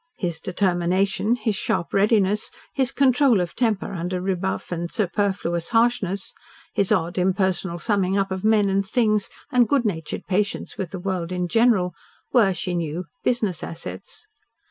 His determination, his sharp readiness, his control of temper under rebuff and superfluous harshness, his odd, impersonal summing up of men and things, and good natured patience with the world in general, were, she knew, business assets.